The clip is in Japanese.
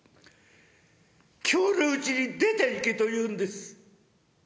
今日のうちに出ていけというんです。